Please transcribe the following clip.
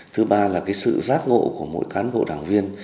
thứ ba là cái sự giác ngộ của mỗi cán bộ đảng viên